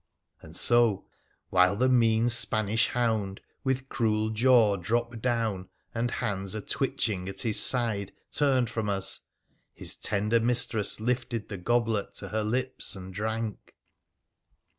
And so — while the mean Spanish hound, with cruel jaw dropped down and, hands a twitching at his side, turned from us — his tender mistress lifted the goblet to her lips and drank.